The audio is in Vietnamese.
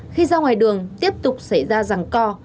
khi ra ngoài đường tiếp tục xảy ra rẳng co